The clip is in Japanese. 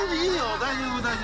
大丈夫大丈夫。